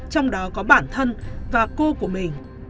trong đó có bản thân và cô của mình